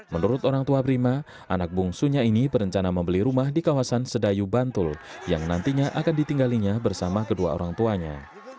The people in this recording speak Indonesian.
menurut orang tua prima anak bungsunya ini berencana membeli rumah di kawasan sedayu bantul yang nantinya akan ditinggalinya bersama kedua orang tuanya